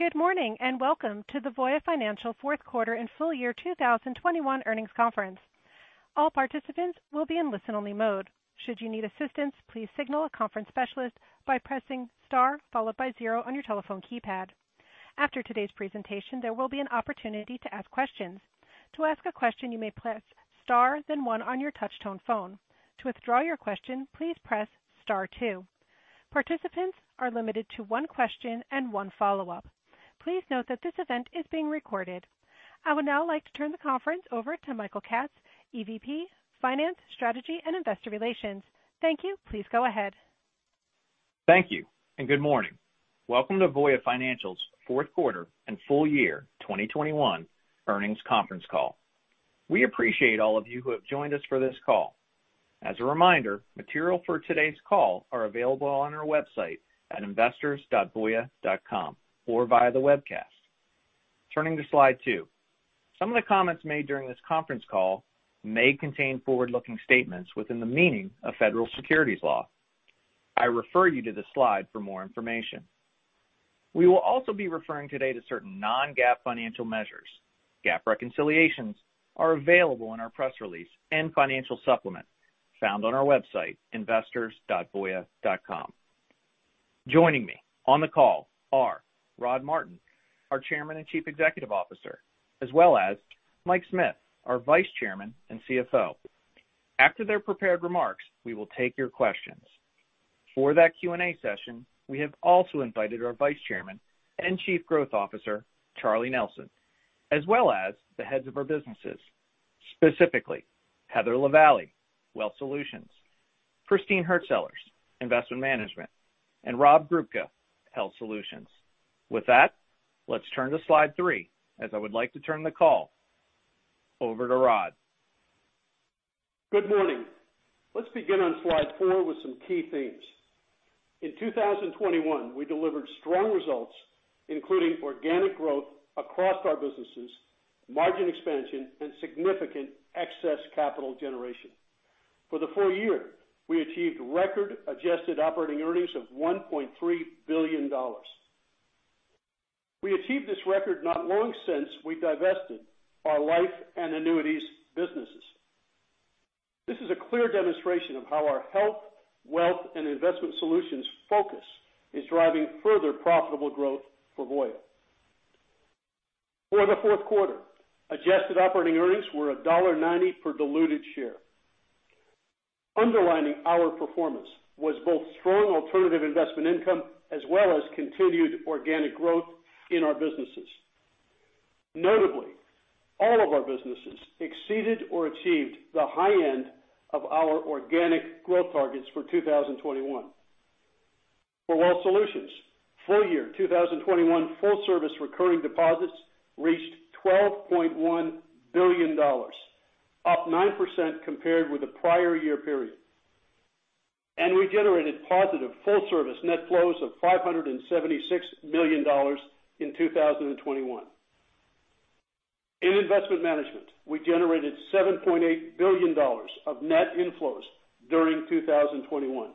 Good morning, and welcome to the Voya Financial fourth quarter and full year 2021 earnings conference. All participants will be in listen only mode. Should you need assistance, please signal a conference specialist by pressing star followed by zero on your telephone keypad. After today's presentation, there will be an opportunity to ask questions. To ask a question, you may press star then one on your touchtone phone. To withdraw your question, please press star two. Participants are limited to one question and one follow-up. Please note that this event is being recorded. I would now like to turn the conference over to Michael Katz, EVP, Finance, Strategy and Investor Relations. Thank you. Please go ahead. Thank you and good morning. Welcome to Voya Financial's fourth quarter and full year 2021 earnings conference call. We appreciate all of you who have joined us for this call. As a reminder, material for today's call are available on our website at investors.voya.com or via the webcast. Turning to slide two. Some of the comments made during this conference call may contain forward-looking statements within the meaning of Federal securities law. I refer you to the slide for more information. We will also be referring today to certain non-GAAP financial measures. GAAP reconciliations are available in our press release and financial supplement found on our website, investors.voya.com. Joining me on the call are Rod Martin, our Chairman and Chief Executive Officer, as well as Mike Smith, our Vice Chairman and CFO. After their prepared remarks, we will take your questions. For that Q&A session, we have also invited our Vice Chairman and Chief Growth Officer, Charles Nelson, as well as the heads of our businesses, specifically Heather Lavallee, Wealth Solutions, Christine Hurtsellers, Investment Management, and Rob Grubka, Health Solutions. With that, let's turn to slide three as I would like to turn the call over to Rod. Good morning. Let's begin on slide four with some key themes. In 2021, we delivered strong results, including organic growth across our businesses, margin expansion, and significant excess capital generation. For the full year, we achieved record adjusted operating earnings of $1.3 billion. We achieved this record not long since we divested our life and annuities businesses. This is a clear demonstration of how our Health, Wealth, and Investment Solutions focus is driving further profitable growth for Voya. For the fourth quarter, adjusted operating earnings were $1.90 per diluted share. Underlining our performance was both strong alternative investment income as well as continued organic growth in our businesses. Notably, all of our businesses exceeded or achieved the high end of our organic growth targets for 2021. For Wealth Solutions, full year 2021 full service recurring deposits reached $12.1 billion, up 9% compared with the prior year period, and we generated positive full service net flows of $576 million in 2021. In Investment Management, we generated $7.8 billion of net inflows during 2021,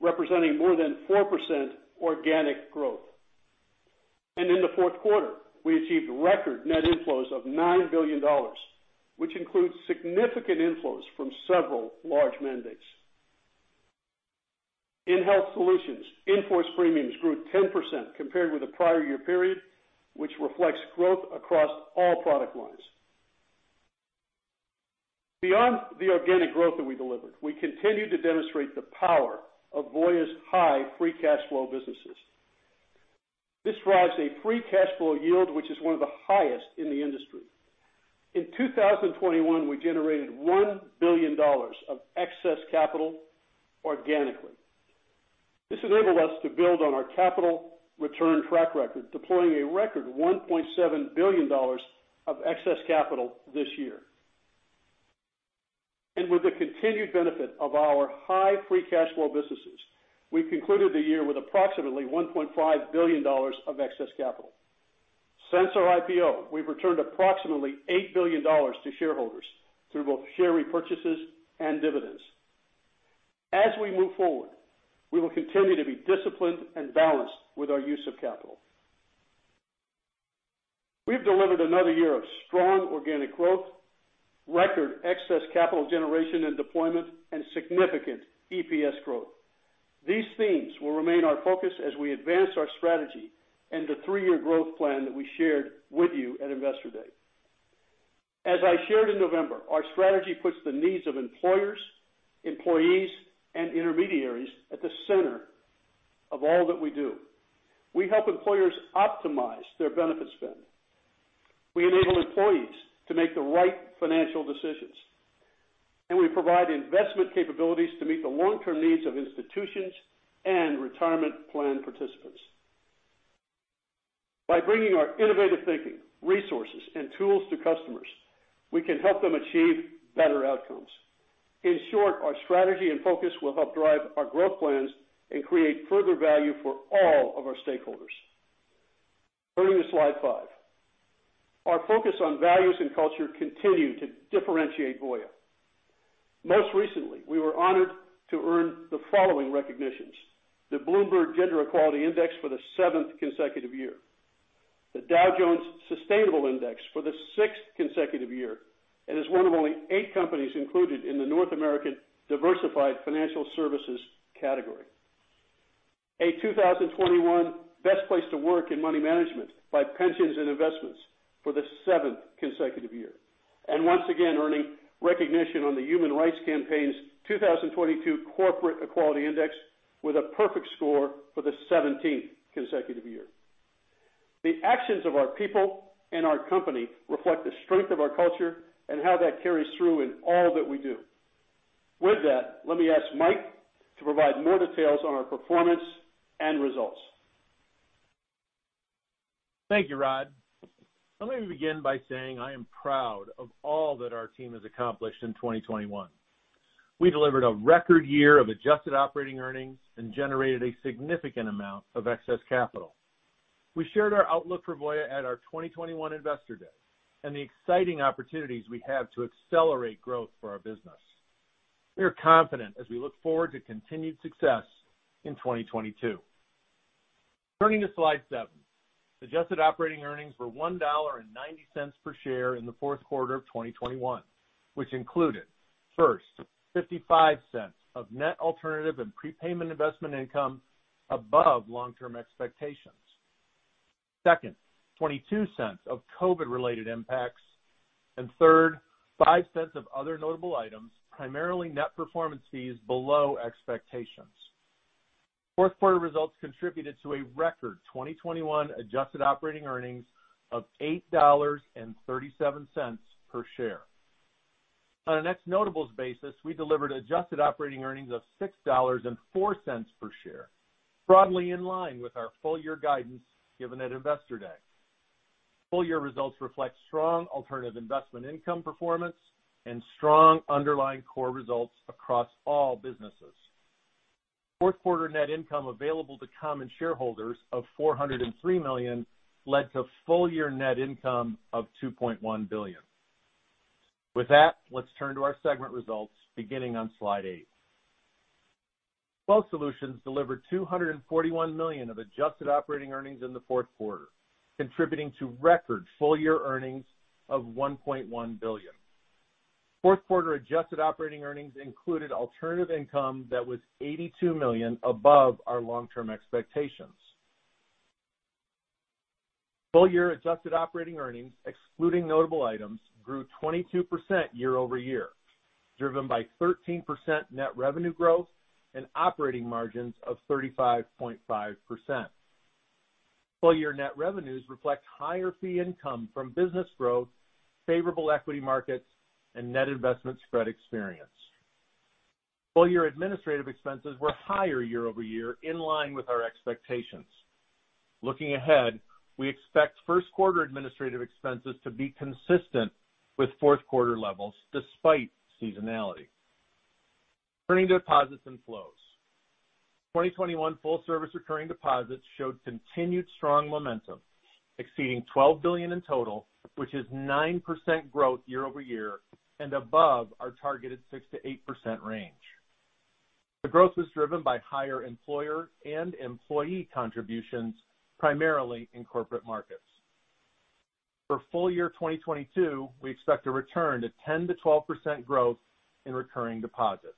representing more than 4% organic growth. In the fourth quarter, we achieved record net inflows of $9 billion, which includes significant inflows from several large mandates. In Health Solutions, in-force premiums grew 10% compared with the prior year period, which reflects growth across all product lines. Beyond the organic growth that we delivered, we continue to demonstrate the power of Voya's high free cash flow businesses. This drives a free cash flow yield, which is one of the highest in the industry. In 2021, we generated $1 billion of excess capital organically. This enabled us to build on our capital return track record, deploying a record $1.7 billion of excess capital this year. With the continued benefit of our high free cash flow businesses, we concluded the year with approximately $1.5 billion of excess capital. Since our IPO, we've returned approximately $8 billion to shareholders through both share repurchases and dividends. As we move forward, we will continue to be disciplined and balanced with our use of capital. We've delivered another year of strong organic growth, record excess capital generation and deployment, and significant EPS growth. These themes will remain our focus as we advance our strategy and the three-year growth plan that we shared with you at Investor Day. As I shared in November, our strategy puts the needs of employers, employees, and intermediaries at the center of all that we do. We help employers optimize their benefit spend. We enable employees to make the right financial decisions, and we provide investment capabilities to meet the long-term needs of institutions and retirement plan participants. By bringing our innovative thinking, resources, and tools to customers, we can help them achieve better outcomes. In short, our strategy and focus will help drive our growth plans and create further value for all of our stakeholders. Turning to slide five. Our focus on values and culture continue to differentiate Voya. Most recently, we were honored to earn the following recognitions, the Bloomberg Gender-Equality Index for the 7th consecutive year, the Dow Jones Sustainability Index for the 6th consecutive year, and is one of only eight companies included in the North American Diversified Financial Services category. A 2021 best place to work in money management by Pensions & Investments for the 7th consecutive year, and once again, earning recognition on the Human Rights Campaign's 2022 Corporate Equality Index with a perfect score for the 17th consecutive year. The actions of our people and our company reflect the strength of our culture and how that carries through in all that we do. With that, let me ask Mike to provide more details on our performance and results. Thank you, Rod. Let me begin by saying I am proud of all that our team has accomplished in 2021. We delivered a record year of adjusted operating earnings and generated a significant amount of excess capital. We shared our outlook for Voya at our 2021 Investor Day, and the exciting opportunities we have to accelerate growth for our business. We are confident as we look forward to continued success in 2022. Turning to slide seven. Adjusted operating earnings were $1.90 per share in the fourth quarter of 2021, which included, first, $0.55 of net alternative and prepayment investment income above long-term expectations. Second, $0.22 of COVID-related impacts, and third, $0.05 of other notable items, primarily net performance fees below expectations. Fourth quarter results contributed to a record 2021 adjusted operating earnings of $8.37 per share. On a next notables basis, we delivered adjusted operating earnings of $6.04 per share, broadly in line with our full year guidance given at Investor Day. Full year results reflect strong alternative investment income performance and strong underlying core results across all businesses. Fourth quarter net income available to common shareholders of $403 million led to full year net income of $2.1 billion. With that, let's turn to our segment results beginning on slide eight. Wealth Solutions delivered $241 million of adjusted operating earnings in the fourth quarter, contributing to record full year earnings of $1.1 billion. Fourth quarter adjusted operating earnings included alternative income that was $82 million above our long-term expectations. Full year adjusted operating earnings, excluding notable items, grew 22% year-over-year, driven by 13% net revenue growth and operating margins of 35.5%. Full year net revenues reflect higher fee income from business growth, favorable equity markets, and net investment spread experience. Full year administrative expenses were higher year-over-year in line with our expectations. Looking ahead, we expect first quarter administrative expenses to be consistent with fourth quarter levels despite seasonality. Turning to deposits and flows. 2021 full service recurring deposits showed continued strong momentum, exceeding $12 billion in total, which is 9% growth year-over-year and above our targeted 6%-8% range. The growth was driven by higher employer and employee contributions, primarily in corporate markets. For full year 2022, we expect a return to 10%-12% growth in recurring deposits.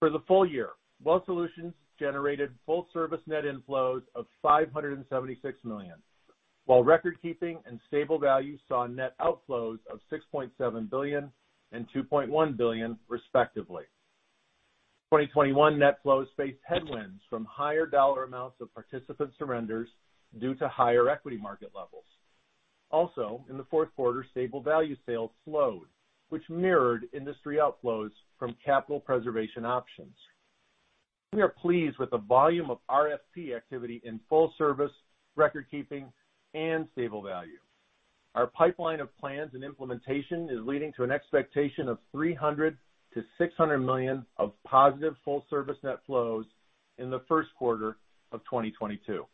For the full year, Wealth Solutions generated full service net inflows of $576 million, while record keeping and Stable Value saw net outflows of $6.7 billion and $2.1 billion respectively. 2021 net flows faced headwinds from higher dollar amounts of participant surrenders due to higher equity market levels. In the fourth quarter, Stable Value sales slowed, which mirrored industry outflows from capital preservation options. We are pleased with the volume of RFP activity in full service, record keeping, and Stable Value. Our pipeline of plans and implementation is leading to an expectation of $300 million-$600 million of positive full service net flows in the first quarter of 2022.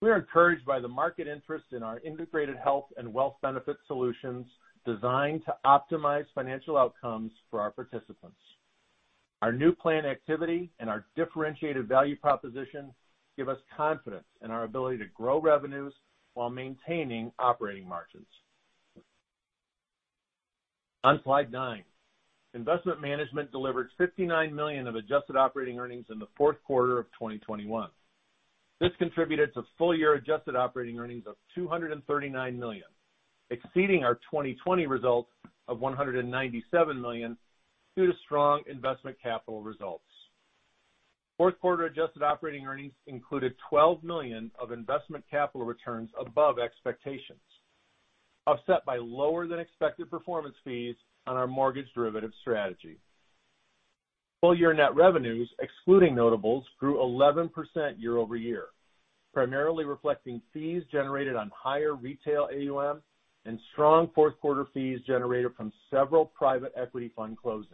We are encouraged by the market interest in our Integrated Health and Wealth Benefit solutions designed to optimize financial outcomes for our participants. Our new plan activity and our differentiated value proposition give us confidence in our ability to grow revenues while maintaining operating margins. On slide nine, Investment Management delivered $59 million of adjusted operating earnings in the fourth quarter of 2021. This contributed to full-year adjusted operating earnings of $239 million, exceeding our 2020 results of $197 million due to strong investment capital results. Fourth quarter adjusted operating earnings included $12 million of investment capital returns above expectations, offset by lower than expected performance fees on our mortgage derivative strategy. Full-year net revenues, excluding notables, grew 11% year over year, primarily reflecting fees generated on higher retail AUM and strong fourth quarter fees generated from several private equity fund closings.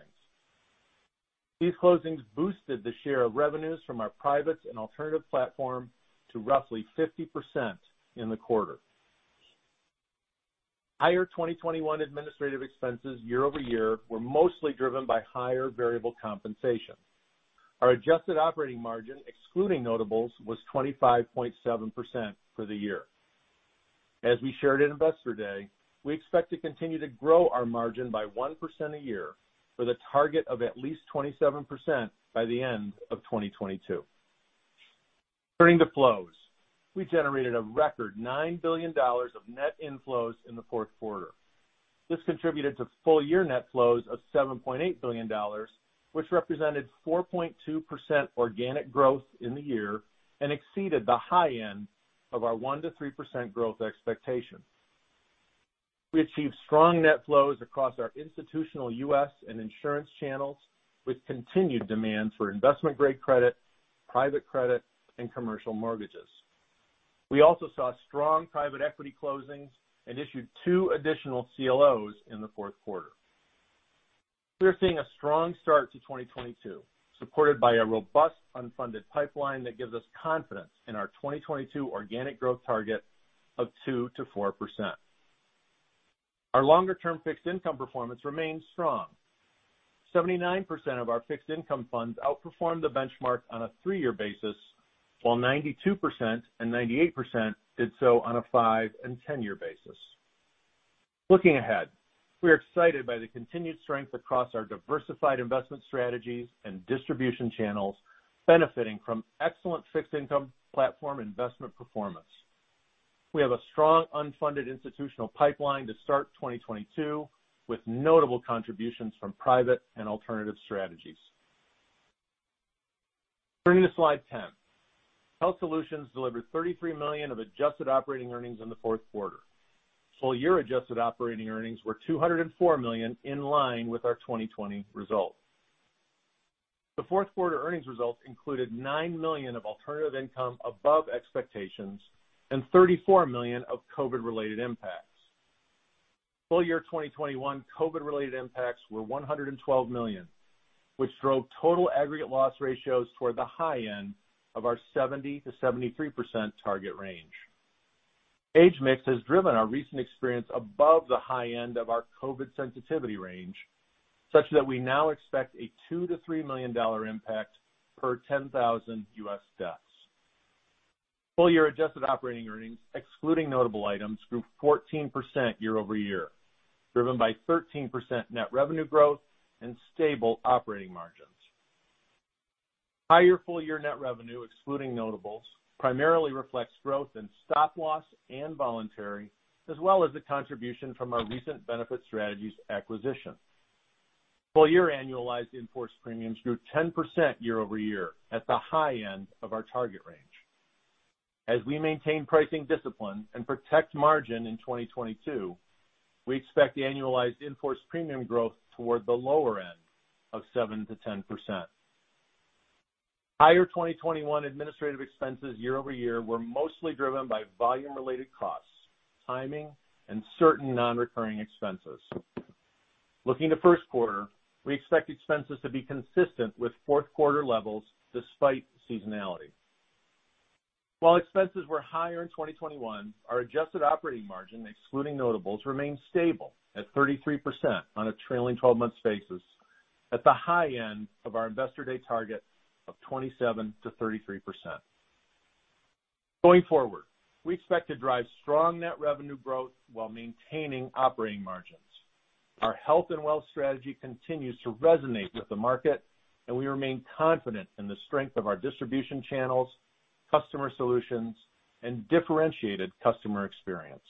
These closings boosted the share of revenues from our privates and alternative platform to roughly 50% in the quarter. Higher 2021 administrative expenses year-over-year were mostly driven by higher variable compensation. Our adjusted operating margin, excluding notables, was 25.7% for the year. As we shared at Investor Day, we expect to continue to grow our margin by 1% a year for the target of at least 27% by the end of 2022. Turning to flows. We generated a record $9 billion of net inflows in the fourth quarter. This contributed to full year net flows of $7.8 billion, which represented 4.2% organic growth in the year and exceeded the high end of our 1%-3% growth expectation. We achieved strong net flows across our institutional U.S. and insurance channels, with continued demand for investment-grade credit, private credit, and commercial mortgages. We also saw strong private equity closings and issued two additional CLOs in the fourth quarter. We are seeing a strong start to 2022, supported by a robust unfunded pipeline that gives us confidence in our 2022 organic growth target of 2%-4%. Our longer-term fixed income performance remains strong. 79% of our fixed income funds outperformed the benchmark on a 3-year basis, while 92% and 98% did so on a 5-year and 10-year basis. Looking ahead, we are excited by the continued strength across our diversified investment strategies and distribution channels benefiting from excellent fixed income platform investment performance. We have a strong unfunded institutional pipeline to start 2022 with notable contributions from private and alternative strategies. Turning to slide 10. Health Solutions delivered $33 million of adjusted operating earnings in the fourth quarter. Full year adjusted operating earnings were $204 million in line with our 2020 result. The fourth quarter earnings results included $9 million of alternative income above expectations and $34 million of COVID-related impacts. Full year 2021 COVID-related impacts were $112 million, which drove total aggregate loss ratios toward the high end of our 70%-73% target range. Age mix has driven our recent experience above the high end of our COVID sensitivity range, such that we now expect a $2 million-$3 million impact per 10,000 U.S. deaths. Full year adjusted operating earnings, excluding notable items, grew 14% year-over-year, driven by 13% net revenue growth and stable operating margins. Higher full year net revenue, excluding notables, primarily reflects growth in Stop Loss and voluntary, as well as the contribution from our recent Benefit Strategies acquisition. Full year annualized in-force premiums grew 10% year-over-year at the high end of our target range. As we maintain pricing discipline and protect margin in 2022, we expect annualized in-force premium growth toward the lower end of 7%-10%. Higher 2021 administrative expenses year-over-year were mostly driven by volume-related costs, timing, and certain non-recurring expenses. Looking to first quarter, we expect expenses to be consistent with fourth quarter levels despite seasonality. While expenses were higher in 2021, our adjusted operating margin, excluding notables, remained stable at 33% on a trailing 12 months basis at the high end of our Investor Day target of 27%-33%. Going forward, we expect to drive strong net revenue growth while maintaining operating margins. Our Health and Wealth strategy continues to resonate with the market, and we remain confident in the strength of our distribution channels, customer solutions, and differentiated customer experience.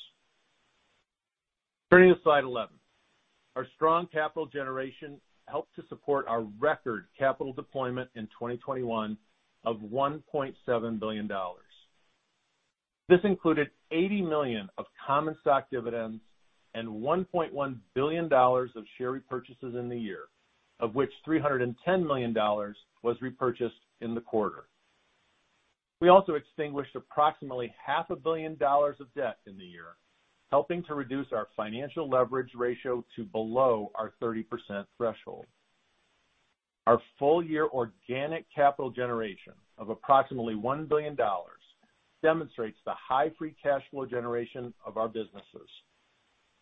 Turning to slide 11. Our strong capital generation helped to support our record capital deployment in 2021 of $1.7 billion. This included $80 million of common stock dividends and $1.1 billion of share repurchases in the year, of which $310 million was repurchased in the quarter. We also extinguished approximately half a billion dollars of debt in the year, helping to reduce our financial leverage ratio to below our 30% threshold. Our full year organic capital generation of approximately $1 billion demonstrates the high free cash flow generation of our businesses.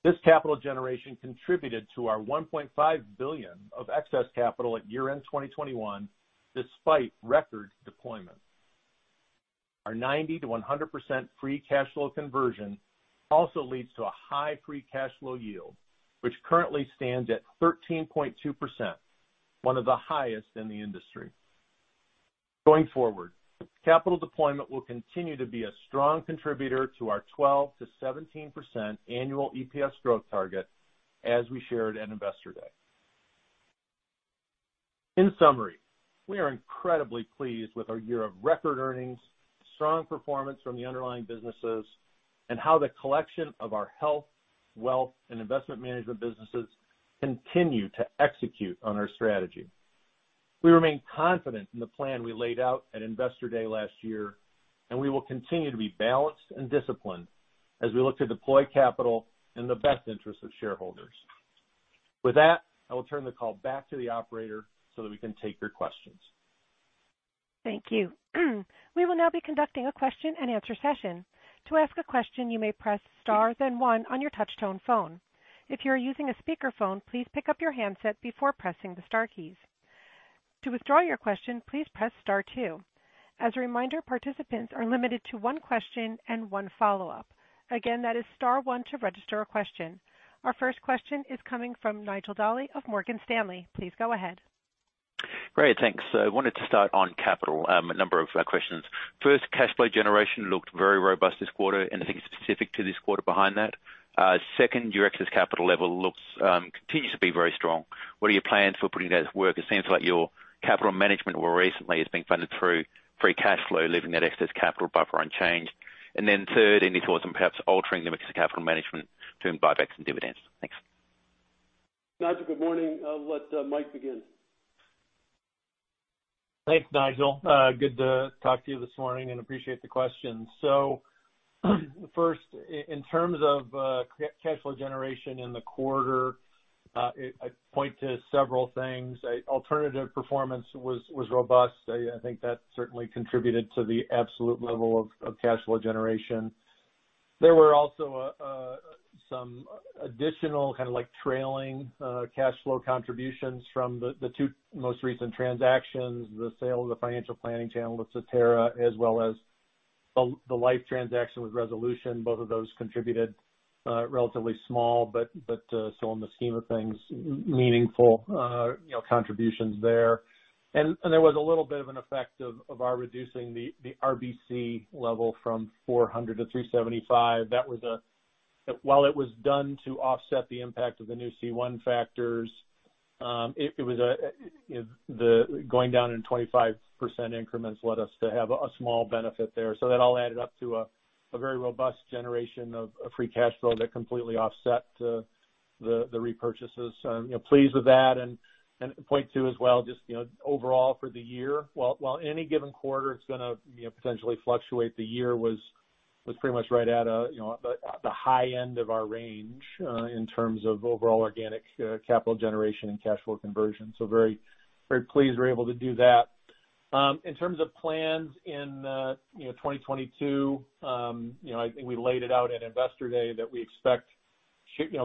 This capital generation contributed to our $1.5 billion of excess capital at year-end 2021 despite record deployment. Our 90%-100% free cash flow conversion also leads to a high free cash flow yield, which currently stands at 13.2%, one of the highest in the industry. Going forward, capital deployment will continue to be a strong contributor to our 12%-17% annual EPS growth target as we shared at Investor Day. In summary, we are incredibly pleased with our year of record earnings, strong performance from the underlying businesses, and how the collection of our health, wealth, and investment management businesses continue to execute on our strategy. We remain confident in the plan we laid out at Investor Day last year, and we will continue to be balanced and disciplined. As we look to deploy capital in the best interest of shareholders. With that, I will turn the call back to the operator so that we can take your questions. Thank you. We will now be conducting a question and answer session. To ask a question, you may press star then one on your touchtone phone. If you're using a speakerphone, please pick up your handset before pressing the star keys. To withdraw your question, please press star two. As a reminder, participants are limited to one question and one follow-up. Again, that is star one to register a question. Our first question is coming from Nigel Dally of Morgan Stanley. Please go ahead. Great. Thanks. I wanted to start on capital. A number of questions. First, cash flow generation looked very robust this quarter. Anything specific to this quarter behind that? Second, your excess capital level looks, continues to be very strong. What are your plans for putting that to work? It seems like your capital management more recently has been funded through free cash flow, leaving that excess capital buffer unchanged. Third, any thoughts on perhaps altering the mix of capital management between buybacks and dividends? Thanks. Nigel, good morning. Let Mike begin. Thanks, Nigel. Good to talk to you this morning and appreciate the questions. First in terms of cash flow generation in the quarter, I point to several things. Alternative performance was robust. I think that certainly contributed to the absolute level of cash flow generation. There were also some additional kind of like trailing cash flow contributions from the two most recent transactions, the sale of the financial planning channel with Cetera, as well as the life transaction with Resolution. Both of those contributed relatively small, but so in the scheme of things, meaningful, you know, contributions there. There was a little bit of an effect of our reducing the RBC level from 400-375. While it was done to offset the impact of the new C-1 factors, the going down in 25% increments led us to have a small benefit there. That all added up to a very robust generation of free cash flow that completely offset the repurchases. You know, pleased with that. Point two as well, just, you know, overall for the year, while any given quarter it's gonna, you know, potentially fluctuate, the year was pretty much right at, you know, the high end of our range, in terms of overall organic capital generation and cash flow conversion. Very, very pleased we were able to do that. In terms of plans in 2022, you know, I think we laid it out at Investor Day that we expect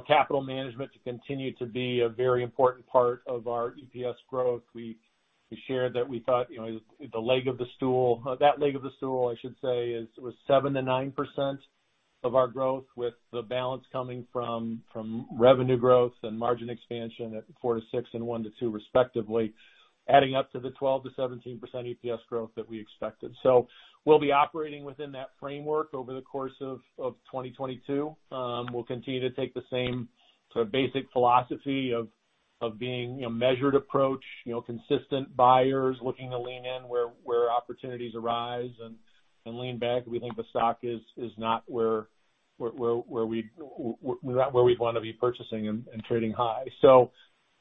capital management to continue to be a very important part of our EPS growth. We shared that we thought, you know, that leg of the stool, I should say, was 7%-9% of our growth, with the balance coming from revenue growth and margin expansion at 4%-6% and 1%-2% respectively, adding up to the 12%-17% EPS growth that we expected. We'll be operating within that framework over the course of 2022. We'll continue to take the same sort of basic philosophy of being a measured approach, you know, consistent buyers looking to lean in where opportunities arise and lean back. We think the stock is not where we'd want to be purchasing and trading high. You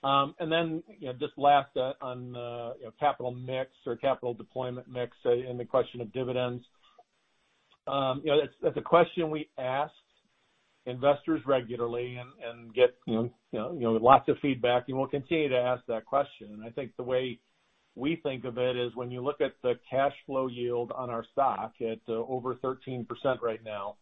know, just last on capital mix or capital deployment mix and the question of dividends. You know, that's a question we ask investors regularly and get you know, lots of feedback, and we'll continue to ask that question. I think the way we think of it is when you look at the cash flow yield on our stock at over 13% right now,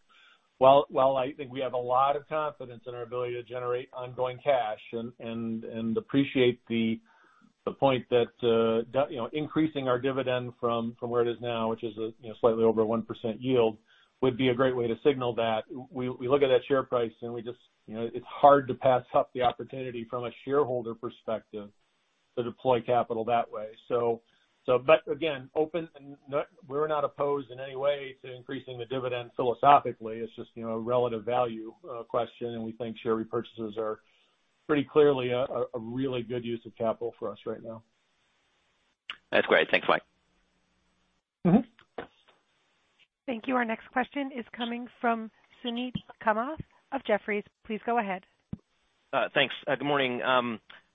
while I think we have a lot of confidence in our ability to generate ongoing cash and appreciate the point that you know, increasing our dividend from where it is now, which is you know, slightly over a 1% yield, would be a great way to signal that. We look at that share price and we just you know, it's hard to pass up the opportunity from a shareholder perspective to deploy capital that way. But again, we're not opposed in any way to increasing the dividend philosophically. It's just, you know, a relative value question, and we think share repurchases are pretty clearly a really good use of capital for us right now. That's great. Thanks, Mike. Mm-hmm. Thank you. Our next question is coming from Suneet Kamath of Jefferies. Please go ahead. Thanks. Good morning. I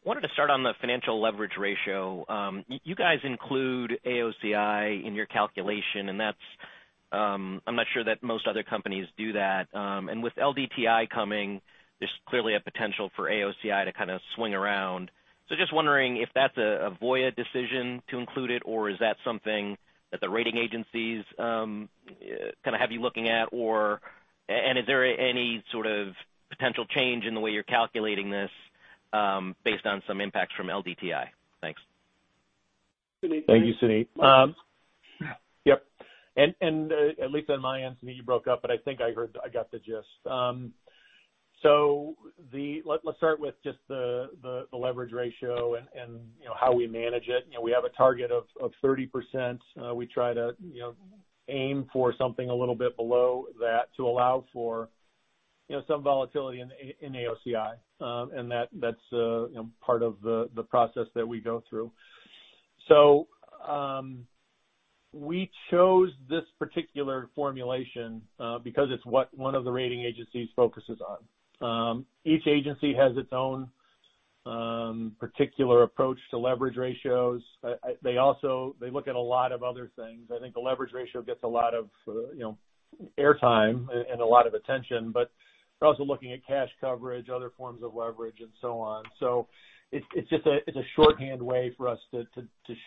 wanted to start on the financial leverage ratio. You guys include AOCI in your calculation, and that's, I'm not sure that most other companies do that. With LDTI coming, there's clearly a potential for AOCI to kind of swing around. Just wondering if that's a Voya decision to include it, or is that something that the rating agencies kind of have you looking at, or is there any sort of potential change in the way you're calculating this, based on some impacts from LDTI? Thanks. Thank you, Suneet. At least on my end, Suneet, you broke up, but I think I got the gist. Let's start with just the leverage ratio and, you know, how we manage it. You know, we have a target of 30%. We try to, you know, aim for something a little bit below that to allow for, you know, some volatility in AOCI. That's, you know, part of the process that we go through. We chose this particular formulation because it's what one of the rating agencies focuses on. Each agency has its own particular approach to leverage ratios. They also look at a lot of other things. I think the leverage ratio gets a lot of you know air time and a lot of attention, but they're also looking at cash coverage, other forms of leverage and so on. It's just a shorthand way for us to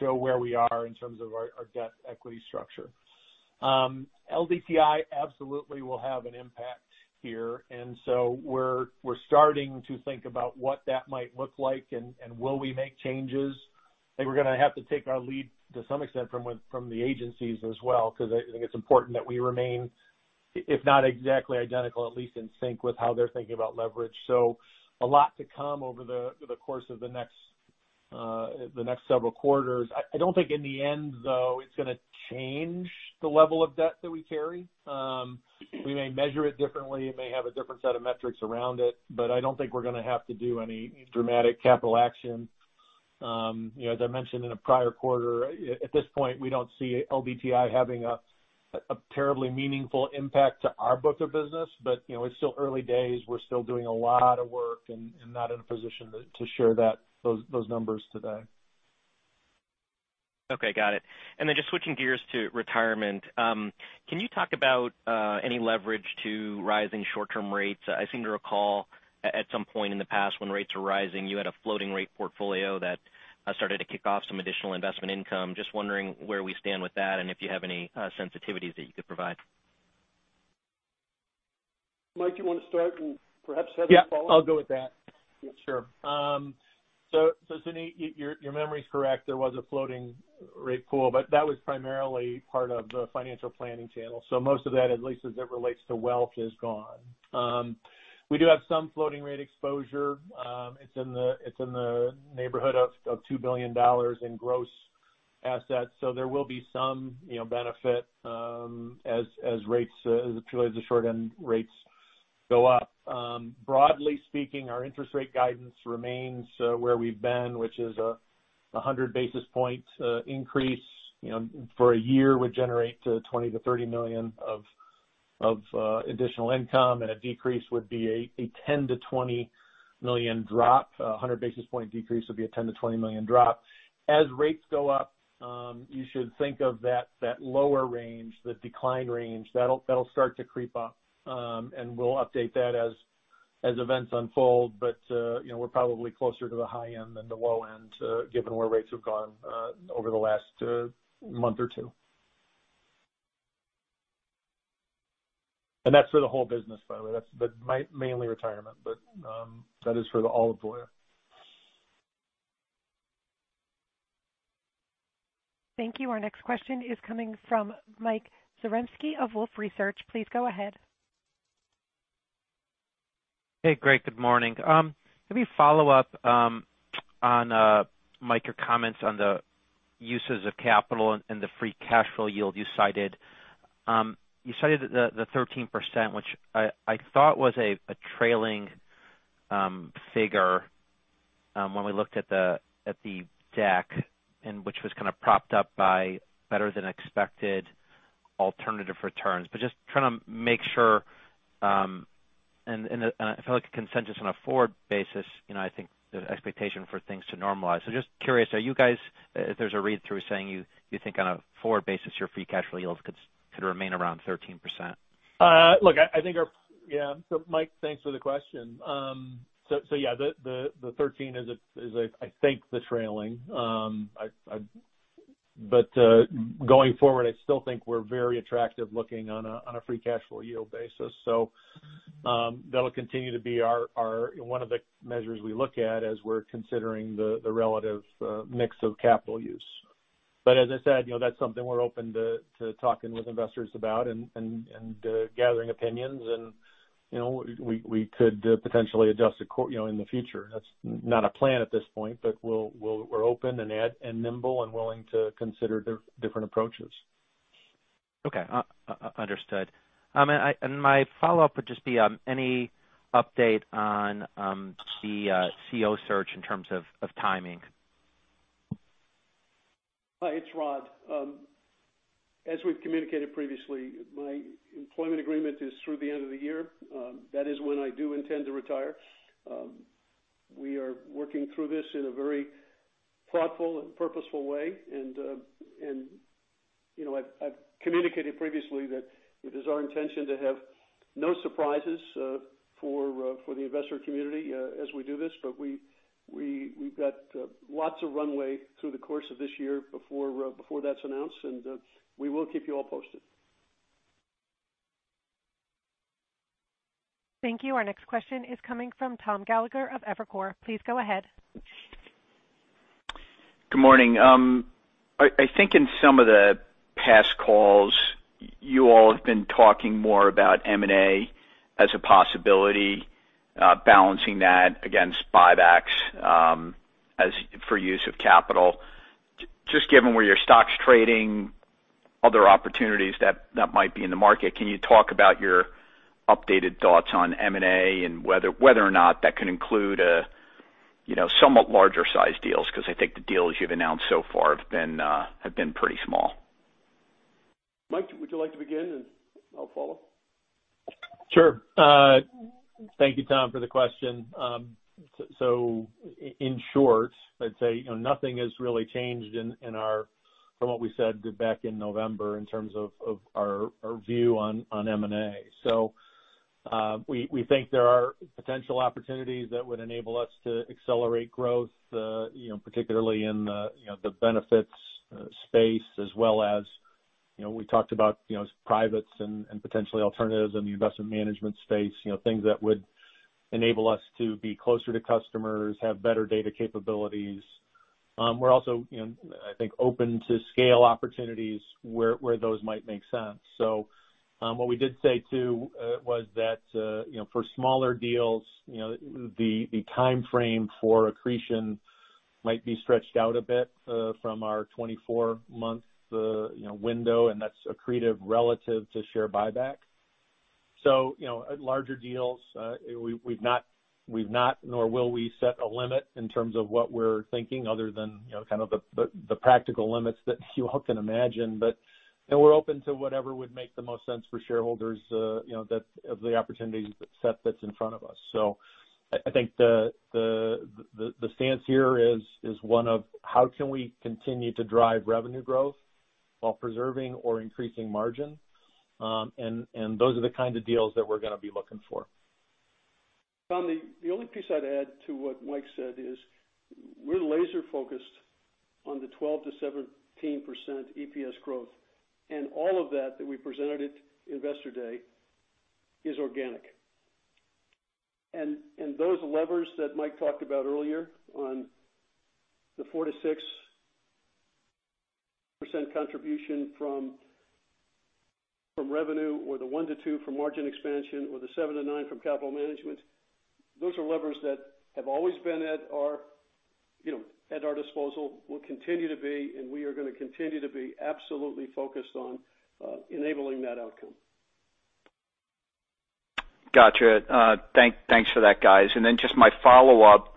show where we are in terms of our debt equity structure. LDTI absolutely will have an impact here. We're starting to think about what that might look like and will we make changes. I think we're gonna have to take our lead, to some extent from the agencies as well, because I think it's important that we remain, if not exactly identical, at least in sync with how they're thinking about leverage. A lot to come over the course of the next several quarters. I don't think in the end, though, it's gonna change the level of debt that we carry. We may measure it differently. It may have a different set of metrics around it, but I don't think we're gonna have to do any dramatic capital action. You know, as I mentioned in a prior quarter, at this point, we don't see LDTI having a terribly meaningful impact to our book of business. You know, it's still early days. We're still doing a lot of work and not in a position to share those numbers today. Okay. Got it. Just switching gears to retirement. Can you talk about any leverage to rising short-term rates? I seem to recall at some point in the past when rates were rising, you had a floating rate portfolio that started to kick off some additional investment income. Just wondering where we stand with that and if you have any sensitivities that you could provide. Mike, you want to start and perhaps have a follow up? Yeah, I'll go with that. Sure. Suneet, your memory is correct. There was a floating rate pool, but that was primarily part of the financial planning channel. Most of that, at least as it relates to wealth, is gone. We do have some floating rate exposure. It's in the neighborhood of $2 billion in gross assets. There will be some, you know, benefit as rates, particularly as the short end rates go up. Broadly speaking, our interest rate guidance remains where we've been, which is a 100 basis points increase, you know, for a year would generate $20 million-$30 million of additional income, and a decrease would be a $10 million-$20 million drop. A hundred basis points decrease would be a $10 million-$20 million drop. As rates go up, you should think of that lower range, the decline range, that'll start to creep up. We'll update that as events unfold. You know, we're probably closer to the high end than the low end, given where rates have gone over the last month or two. That's for the whole business, by the way. That's, but mainly retirement. That is for all of Voya. Thank you. Our next question is coming from Mike Zaremski of Wolfe Research. Please go ahead. Hey, Greg. Good morning. Let me follow up on Mike's comments on the uses of capital and the free cash flow yield you cited. You cited the 13%, which I thought was a trailing figure when we looked at the deck and which was kind of propped up by better than expected alternative returns. Just trying to make sure and I feel like the consensus on a forward basis, you know, I think the expectation for things to normalize. Just curious, is there a read-through saying you think on a forward basis your free cash flow yields could remain around 13%? Mike, thanks for the question. The 13 is, I think, the trailing. Going forward, I still think we're very attractive looking on a free cash flow yield basis. That'll continue to be our one of the measures we look at as we're considering the relative mix of capital use. As I said, you know, that's something we're open to talking with investors about and gathering opinions. You know, we could potentially adjust, you know, in the future. That's not a plan at this point, but we're open and nimble and willing to consider different approaches. Okay. Understood. My follow-up would just be any update on the CEO search in terms of timing? Hi, it's Rod. As we've communicated previously, my employment agreement is through the end of the year. That is when I do intend to retire. We are working through this in a very thoughtful and purposeful way. You know, I've communicated previously that it is our intention to have no surprises for the investor community as we do this. We've got lots of runway through the course of this year before that's announced, and we will keep you all posted. Thank you. Our next question is coming from Tom Gallagher of Evercore. Please go ahead. Good morning. I think in some of the past calls, you all have been talking more about M&A as a possibility, balancing that against buybacks, as for use of capital. Just given where your stock's trading, other opportunities that might be in the market, can you talk about your updated thoughts on M&A and whether or not that can include a, you know, somewhat larger sized deals? Because I think the deals you've announced so far have been pretty small. Mike, would you like to begin and I'll follow? Sure. Thank you, Tom, for the question. In short, I'd say, you know, nothing has really changed from what we said back in November in terms of our view on M&A. We think there are potential opportunities that would enable us to accelerate growth, you know, particularly in the benefits space as well as, you know, we talked about, you know, privates and potentially alternatives in the Investment Management space, you know, things that would enable us to be closer to customers, have better data capabilities. We're also, you know, I think open to scale opportunities where those might make sense. What we did say too was that you know for smaller deals you know the timeframe for accretion might be stretched out a bit from our 24-month you know window and that's accretive relative to share buyback. You know at larger deals we've not nor will we set a limit in terms of what we're thinking other than you know kind of the practical limits that you all can imagine. You know we're open to whatever would make the most sense for shareholders you know of the opportunities that set that's in front of us. I think the stance here is one of how can we continue to drive revenue growth while preserving or increasing margin? Those are the kind of deals that we're gonna be looking for. Tom, the only piece I'd add to what Mike said is we're laser focused on the 12%-17% EPS growth, and all of that we presented at Investor Day is organic. Those levers that Mike talked about earlier on the 4%-6% contribution from revenue or the 1%-2% from margin expansion or the 7%-9% from capital management, those are levers that have always been at our, you know, at our disposal, will continue to be, and we are gonna continue to be absolutely focused on enabling that outcome. Gotcha. Thanks for that, guys. Just my follow-up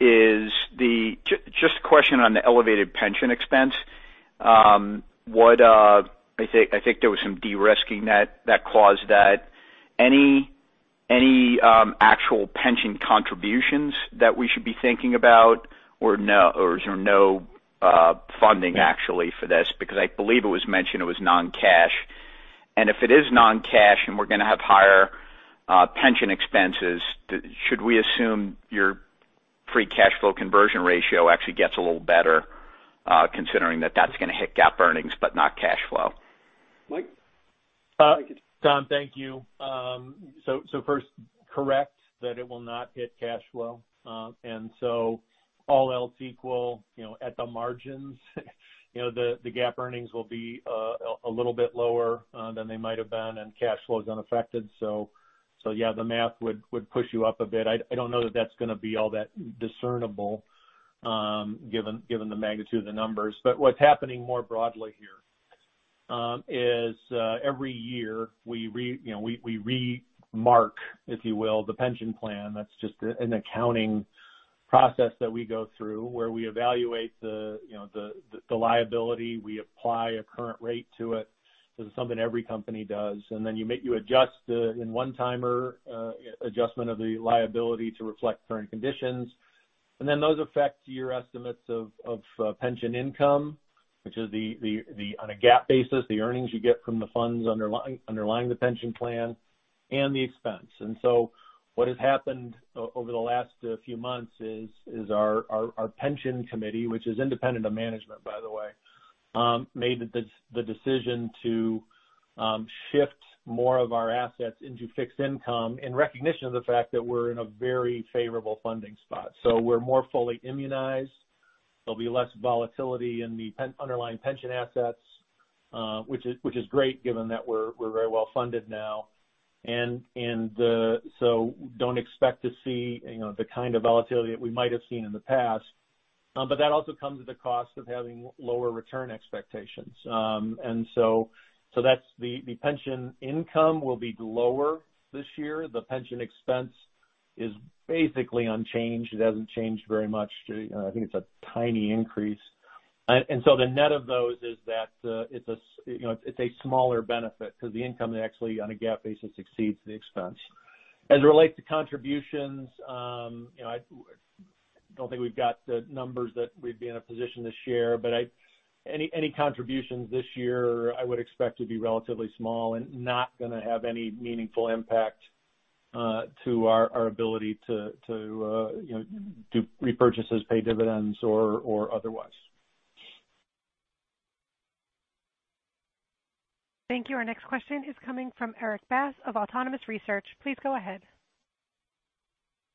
is just a question on the elevated pension expense. I think there was some de-risking that caused that. Any actual pension contributions that we should be thinking about or no, or is there no funding actually for this? Because I believe it was mentioned it was non-cash. If it is non-cash and we're gonna have higher pension expenses, should we assume your free cash flow conversion ratio actually gets a little better, considering that that's gonna hit GAAP earnings but not cash flow? Mike? Tom, thank you. First, correct that it will not hit cash flow. All else equal, you know, at the margins, you know, the GAAP earnings will be a little bit lower than they might have been and cash flow is unaffected. Yeah, the math would push you up a bit. I don't know that that's gonna be all that discernible, given the magnitude of the numbers. What's happening more broadly here is every year we remark, you know, if you will, the pension plan. That's just an accounting process that we go through where we evaluate the, you know, the liability. We apply a current rate to it. This is something every company does. You adjust the in one-timer adjustment of the liability to reflect current conditions. Those affect your estimates of pension income, which is the on a GAAP basis the earnings you get from the funds underlying the pension plan and the expense. What has happened over the last few months is our pension committee, which is independent of management by the way, made the decision to shift more of our assets into fixed income in recognition of the fact that we're in a very favorable funding spot. We're more fully immunized. There'll be less volatility in the underlying pension assets, which is great given that we're very well funded now. Don't expect to see, you know, the kind of volatility that we might have seen in the past. That also comes at the cost of having lower return expectations. That's the pension income will be lower this year. The pension expense is basically unchanged. It hasn't changed very much. I think it's a tiny increase. The net of those is that, you know, it's a smaller benefit because the income actually on a GAAP basis exceeds the expense. As it relates to contributions, you know, I don't think we've got the numbers that we'd be in a position to share, but any contributions this year I would expect to be relatively small and not gonna have any meaningful impact to our ability to, you know, do repurchases, pay dividends or otherwise. Thank you. Our next question is coming from Erik Bass of Autonomous Research. Please go ahead.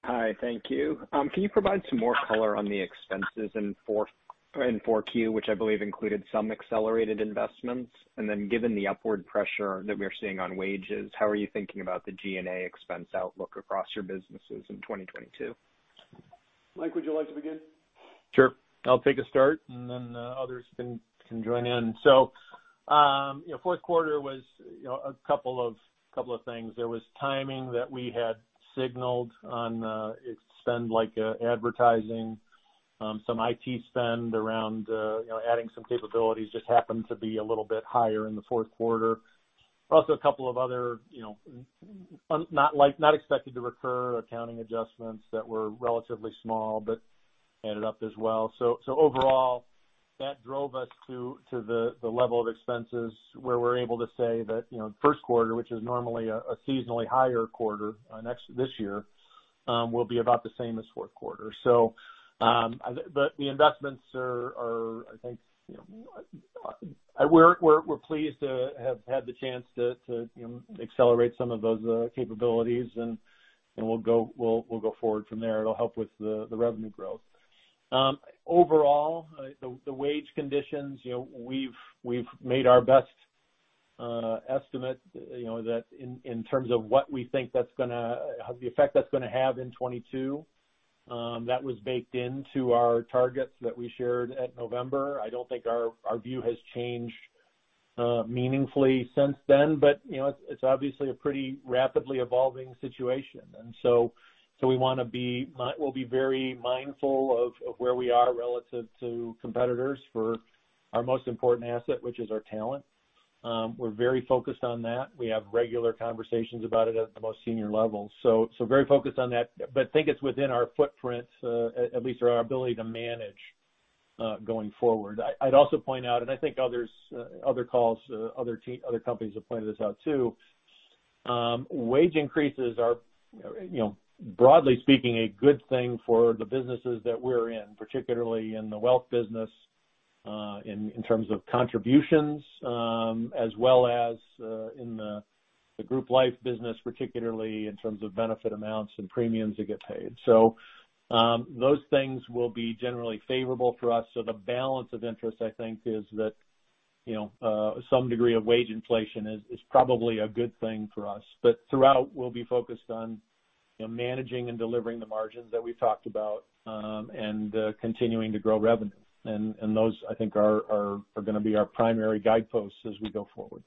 Hi. Thank you. Can you provide some more color on the expenses in 4Q, which I believe included some accelerated investments? Given the upward pressure that we are seeing on wages, how are you thinking about the G&A expense outlook across your businesses in 2022? Mike, would you like to begin? Sure. I'll take a start and then, others can join in. Fourth quarter was, you know, a couple of things. There was timing that we had signaled on, spend like advertising, some IT spend around adding some capabilities just happened to be a little bit higher in the fourth quarter. Also a couple of other, not expected to recur accounting adjustments that were relatively small but added up as well. Overall, that drove us to the level of expenses where we're able to say that, you know, first quarter, which is normally a seasonally higher quarter, this year, will be about the same as fourth quarter. But the investments are, I think, you know. We're pleased to have had the chance to, you know, accelerate some of those capabilities and we'll go forward from there. It'll help with the revenue growth. Overall, the wage conditions, you know, we've made our best estimate, you know, that in terms of what we think of the effect that's gonna have in 2022, that was baked into our targets that we shared at November. I don't think our view has changed meaningfully since then. You know, it's obviously a pretty rapidly evolving situation. We'll be very mindful of where we are relative to competitors for our most important asset, which is our talent. We're very focused on that. We have regular conversations about it at the most senior level. Very focused on that. Think it's within our footprint, at least our ability to manage going forward. I'd also point out, and I think others, other calls, other companies have pointed this out too. Wage increases are, you know, broadly speaking, a good thing for the businesses that we're in, particularly in the wealth business, in terms of contributions, as well as in the Group Life business, particularly in terms of benefit amounts and premiums that get paid. Those things will be generally favorable for us. The balance of interest, I think, is that, you know, some degree of wage inflation is probably a good thing for us. Throughout, we'll be focused on, you know, managing and delivering the margins that we've talked about, and continuing to grow revenue. Those I think are gonna be our primary guideposts as we go forward.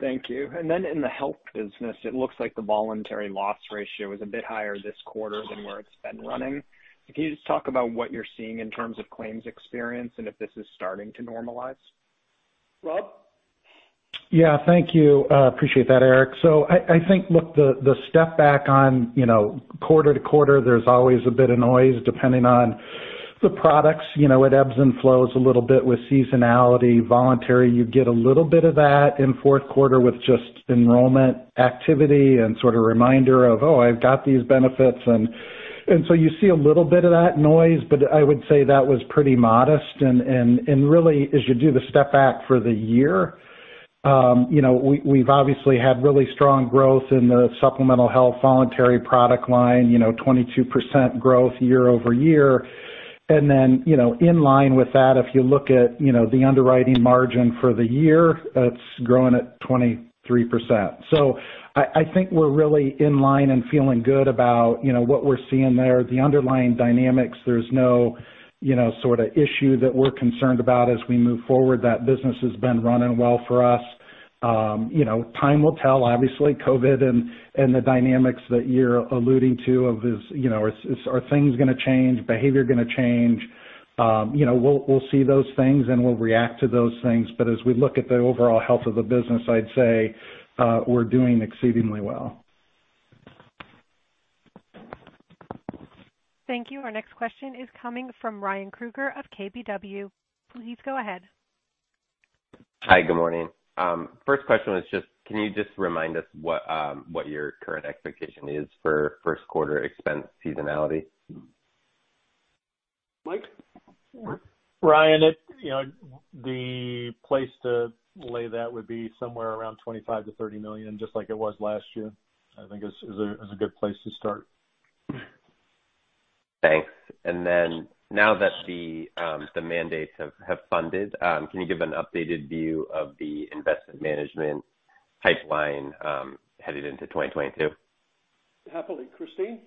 Thank you. In the health business, it looks like the voluntary loss ratio is a bit higher this quarter than where it's been running. Can you just talk about what you're seeing in terms of claims experience and if this is starting to normalize? Rob? Yeah. Thank you. Appreciate that, Erik. I think, look, the step back on, you know, quarter-over-quarter, there's always a bit of noise depending on the products. You know, it ebbs and flows a little bit with seasonality. Voluntary, you get a little bit of that in fourth quarter with just enrollment activity and sort of reminder of, "Oh, I've got these benefits," and really, as you do the step back for the year, you know, we've obviously had really strong growth in the supplemental health voluntary product line, you know, 22% growth year-over-year. Then, you know, in line with that, if you look at, you know, the underwriting margin for the year, that's growing at 23%. I think we're really in line and feeling good about, you know, what we're seeing there. The underlying dynamics, there's no, you know, sort of issue that we're concerned about as we move forward. That business has been running well for us. You know, time will tell. Obviously, COVID and the dynamics that you're alluding to, you know, are things gonna change? Behavior gonna change? You know, we'll see those things and we'll react to those things. But as we look at the overall health of the business, I'd say, we're doing exceedingly well. Thank you. Our next question is coming from Ryan Krueger of KBW. Please go ahead. Hi, good morning. First question was just can you just remind us what your current expectation is for first quarter expense seasonality? Mike? Ryan, it, you know, the place to lay that would be somewhere around $25 million-$30 million, just like it was last year. I think is a good place to start. Thanks. Then now that the mandates have funded, can you give an updated view of the Investment Management pipeline headed into 2022? Happily. Christine?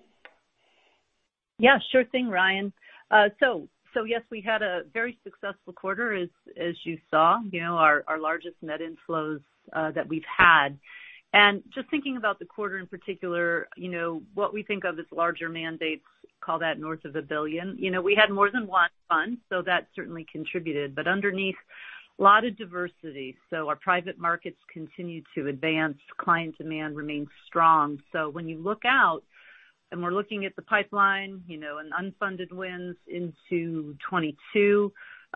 Yeah, sure thing, Ryan. So yes, we had a very successful quarter as you saw. You know, our largest net inflows that we've had. Just thinking about the quarter in particular, you know, what we think of as larger mandates, call that north of $1 billion. You know, we had more than one fund, so that certainly contributed. But underneath, a lot of diversity. Our private markets continue to advance. Client demand remains strong. When you look out, and we're looking at the pipeline, you know, and unfunded wins into 2022,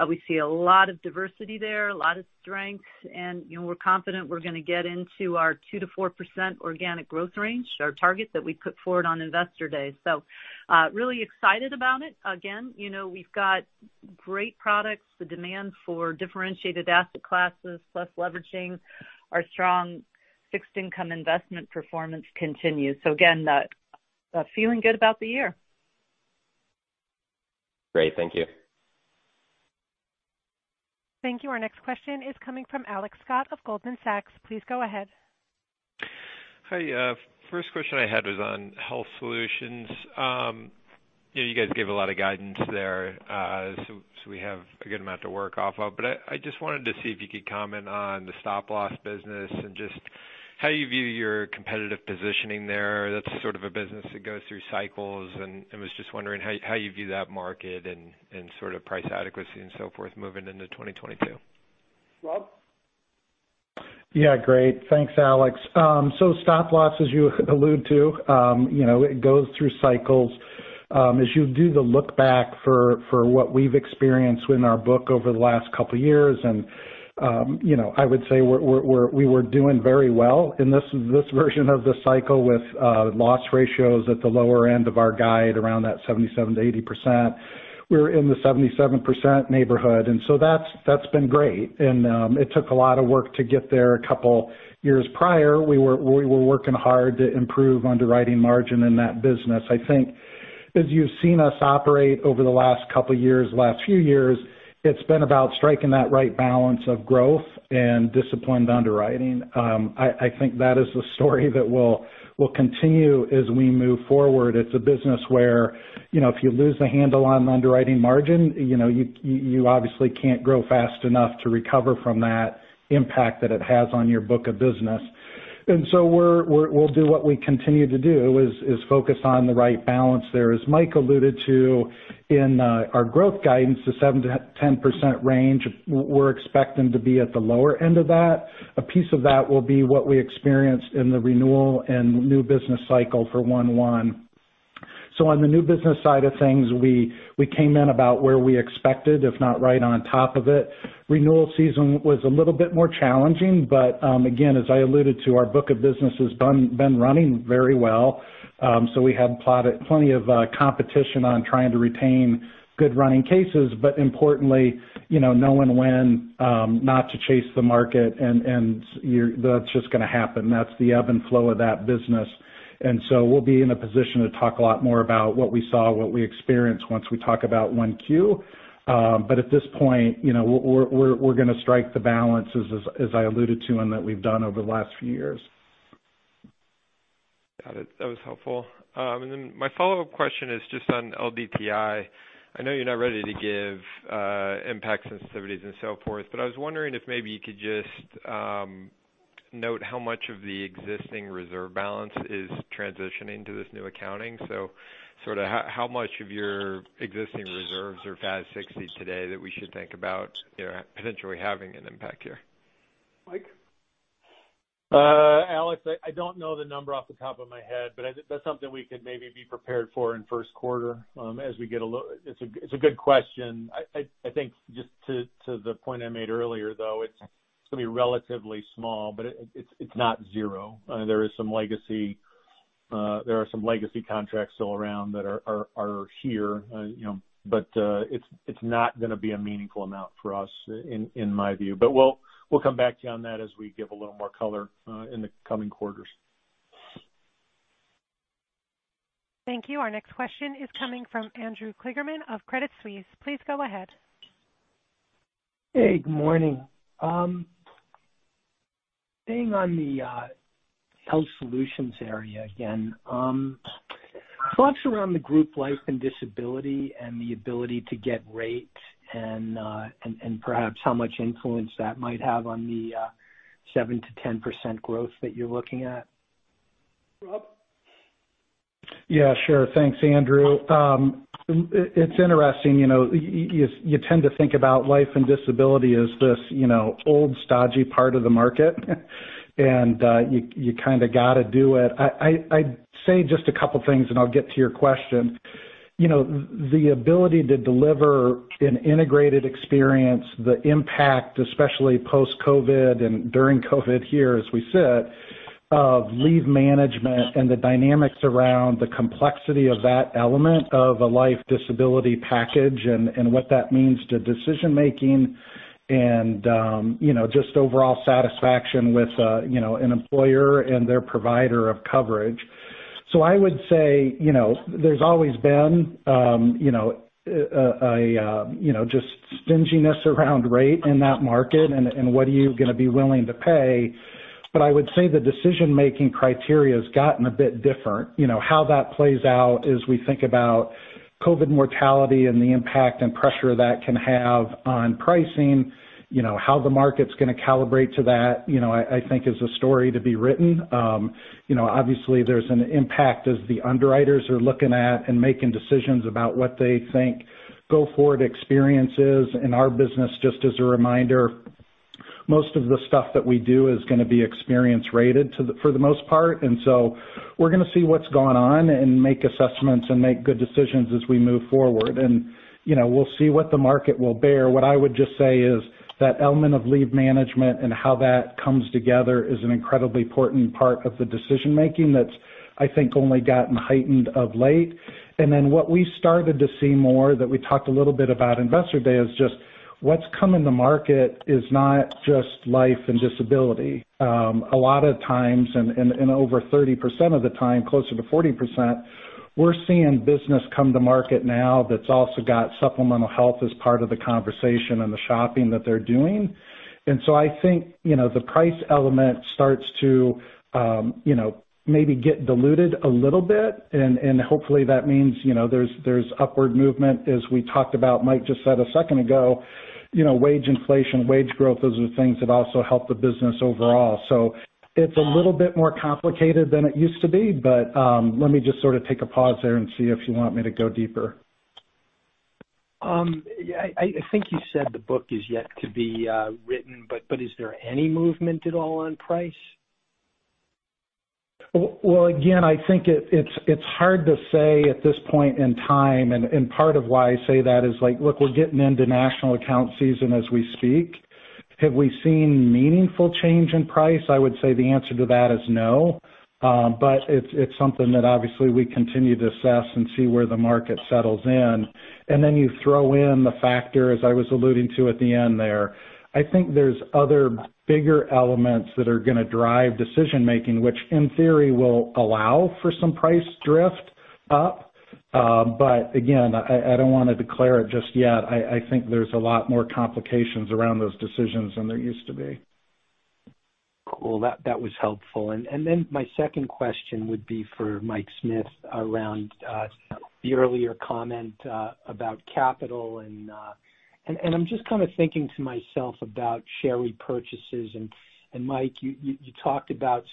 we see a lot of diversity there, a lot of strength, and, you know, we're confident we're gonna get into our 2%-4% organic growth range, our targets that we put forward on Investor Day. Really excited about it. Again, you know, we've got great products. The demand for differentiated asset classes, plus leveraging our strong fixed income investment performance continues. Again, feeling good about the year. Great. Thank you. Thank you. Our next question is coming from Alex Scott of Goldman Sachs. Please go ahead. Hi. First question I had was on Health Solutions. You know, you guys gave a lot of guidance there, so we have a good amount to work off of. I just wanted to see if you could comment on the Stop Loss business and just how you view your competitive positioning there? That's sort of a business that goes through cycles, and I was just wondering how you view that market and sort of price adequacy and so forth moving into 2022. Rob? Yeah. Great. Thanks, Alex. So Stop Loss, as you allude to, you know, it goes through cycles. As you do the look back for what we've experienced in our book over the last couple years, and you know, I would say we were doing very well in this version of the cycle with loss ratios at the lower end of our guide around that 77%-80%. We were in the 77% neighborhood, and so that's been great. It took a lot of work to get there a couple years prior. We were working hard to improve underwriting margin in that business. I think as you've seen us operate over the last couple years, last few years, it's been about striking that right balance of growth and disciplined underwriting. I think that is the story that will continue as we move forward. It's a business where, you know, if you lose the handle on underwriting margin, you know, you obviously can't grow fast enough to recover from that impact that it has on your book of business. We'll do what we continue to do is focus on the right balance there. As Mike alluded to in our growth guidance, the 7%-10% range, we're expecting to be at the lower end of that. A piece of that will be what we experienced in the renewal and new business cycle for Q1. On the new business side of things, we came in about where we expected, if not right on top of it. Renewal season was a little bit more challenging, but again, as I alluded to, our book of business has been running very well. We have faced plenty of competition on trying to retain good running cases, but importantly, you know, knowing when not to chase the market and that's just gonna happen. That's the ebb and flow of that business. We'll be in a position to talk a lot more about what we saw, what we experienced once we talk about 1Q. At this point, you know, we're gonna strike the balance as I alluded to, and that we've done over the last few years. Got it. That was helpful. Then my follow-up question is just on LDTI. I know you're not ready to give impact sensitivities and so forth, but I was wondering if maybe you could just note how much of the existing reserve balance is transitioning to this new accounting. Sort of how much of your existing reserves are FAS 60 today that we should think about, you know, potentially having an impact here? Mike? Alex, I don't know the number off the top of my head, but that's something we could maybe be prepared for in first quarter. It's a good question. I think just to the point I made earlier, though, it's gonna be relatively small, but it's not zero. There are some legacy contracts still around that are here, you know, but it's not gonna be a meaningful amount for us in my view. We'll come back to you on that as we give a little more color in the coming quarters. Thank you. Our next question is coming from Andrew Kligerman of Credit Suisse. Please go ahead. Hey, good morning. Staying on the Health Solutions area again, thoughts around the group life and disability and the ability to get rates and perhaps how much influence that might have on the 7%-10% growth that you're looking at. Rob? Yeah, sure. Thanks, Andrew. It's interesting, you know, you tend to think about life and disability as this, you know, old stodgy part of the market, and you kinda gotta do it. I'd say just a couple things, and I'll get to your question. You know, the ability to deliver an integrated experience, the impact, especially post-COVID and during COVID here, as we sit, of leave management and the dynamics around the complexity of that element of a life disability package and what that means to decision-making and you know, just overall satisfaction with you know, an employer and their provider of coverage. I would say, you know, there's always been you know, a you know, just stinginess around rate in that market and what are you gonna be willing to pay. I would say the decision-making criteria has gotten a bit different. You know, how that plays out as we think about COVID mortality and the impact and pressure that can have on pricing, you know, how the market's gonna calibrate to that, you know, I think is a story to be written. You know, obviously, there's an impact as the underwriters are looking at and making decisions about what they think go forward experiences. In our business, just as a reminder, most of the stuff that we do is gonna be experience rated for the most part. You know, we'll see what the market will bear. What I would just say is that element of leave management and how that comes together is an incredibly important part of the decision-making that's, I think, only gotten heightened of late. What we started to see more, that we talked a little bit about Investor Day, is just what's coming to market is not just life and disability. A lot of times, and over 30% of the time, closer to 40%, we're seeing business come to market now that's also got supplemental health as part of the conversation and the shopping that they're doing. I think, you know, the price element starts to, you know, maybe get diluted a little bit, and hopefully that means, you know, there's upward movement, as we talked about, Mike just said a second ago. You know, wage inflation, wage growth, those are things that also help the business overall. It's a little bit more complicated than it used to be, but, let me just sort of take a pause there and see if you want me to go deeper. Yeah, I think you said the book is yet to be written, but is there any movement at all on price? Well, again, I think it's hard to say at this point in time, and part of why I say that is like, look, we're getting into national account season as we speak. Have we seen meaningful change in price? I would say the answer to that is no. It's something that obviously we continue to assess and see where the market settles in. Then you throw in the factor, as I was alluding to at the end there, I think there's other bigger elements that are gonna drive decision making, which in theory will allow for some price drift up. Again, I don't wanna declare it just yet. I think there's a lot more complications around those decisions than there used to be. Cool. That was helpful. My second question would be for Mike Smith around the earlier comment about capital and I'm just kind of thinking to myself about share repurchases. Mike, you talked about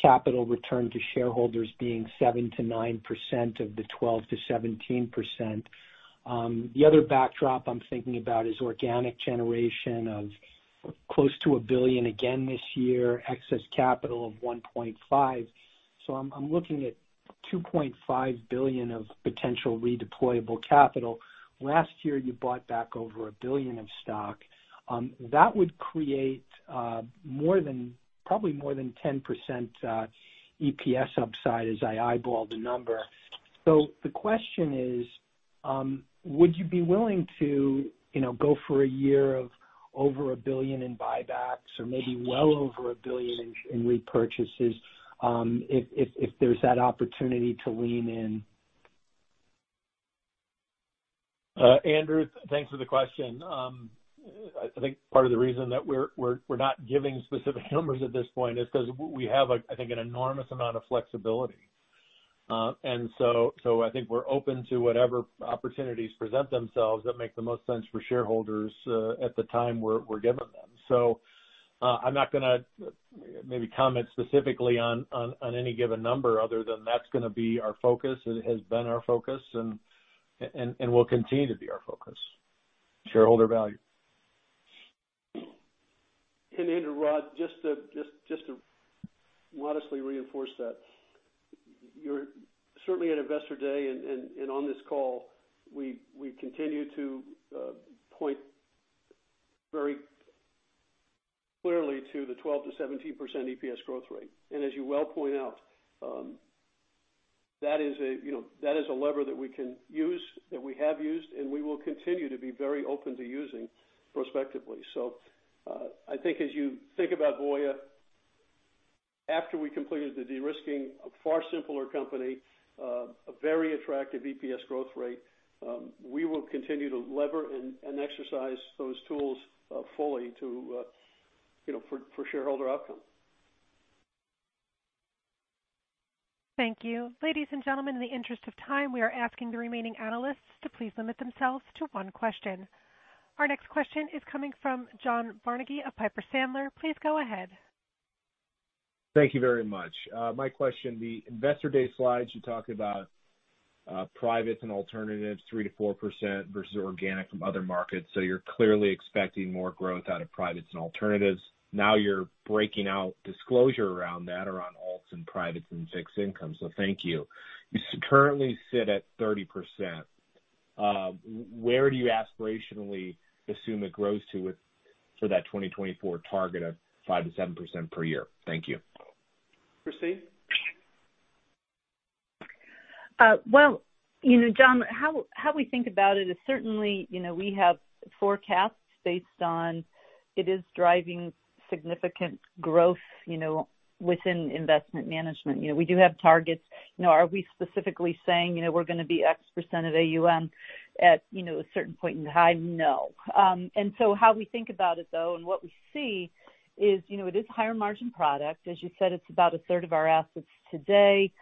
capital return to shareholders being 7%-9% of the 12%-17%. The other backdrop I'm thinking about is organic generation of close to $1 billion again this year, excess capital of $1.5 billion. I'm looking at $2.5 billion of potential redeployable capital. Last year, you bought back over $1 billion of stock. That would create more than, probably more than 10% EPS upside as I eyeball the number. The question is, would you be willing to, you know, go for a year of over $1 billion in buybacks or maybe well over $1 billion in repurchases, if there's that opportunity to lean in? Andrew, thanks for the question. I think part of the reason that we're not giving specific numbers at this point is 'cause we have, I think, an enormous amount of flexibility. I think we're open to whatever opportunities present themselves that make the most sense for shareholders at the time we're given them. I'm not gonna maybe comment specifically on any given number other than that's gonna be our focus. It has been our focus and will continue to be our focus, shareholder value. Andrew, its Rod, just to modestly reinforce that, you're certainly at Investor Day and on this call, we continue to point very clearly to the 12%-17% EPS growth rate. As you well point out, that is a lever that we can use, that we have used, and we will continue to be very open to using prospectively. I think as you think about Voya, after we completed the de-risking, a far simpler company, a very attractive EPS growth rate, we will continue to lever and exercise those tools fully to you know, for shareholder outcome. Thank you. Ladies and gentlemen, in the interest of time, we are asking the remaining analysts to please limit themselves to one question. Our next question is coming from John Barnidge of Piper Sandler. Please go ahead. Thank you very much. My question, the Investor Day slides, you talked about privates and alternatives, 3%-4% versus organic from other markets, so you're clearly expecting more growth out of privates and alternatives. Now you're breaking out disclosure around that or on alts and privates and fixed income, so thank you. You currently sit at 30%. Where do you aspirationally assume it grows to for that 2024 target of 5%-7% per year? Thank you. Christine? Well, you know, John, how we think about it is certainly, you know, we have forecasts based on it is driving significant growth, you know, within Investment Management. You know, we do have targets. You know, are we specifically saying, you know, we're gonna be X% of AUM at, you know, a certain point in time? No. How we think about it, though, and what we see is, you know, it is a higher margin product. As you said, it's about a third of our assets today.